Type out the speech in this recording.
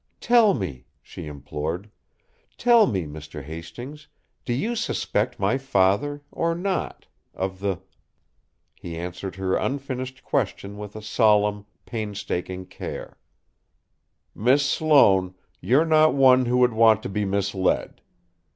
"Tell me," she implored; "tell me, Mr. Hastings, do you suspect my father or not of the ?" He answered her unfinished question with a solemn, painstaking care: "Miss Sloane, you're not one who would want to be misled.